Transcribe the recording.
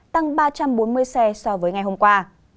tăng ba trăm bốn mươi xe so với ngày hôm qua